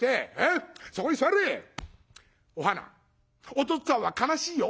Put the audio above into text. お父っつぁんは悲しいよ。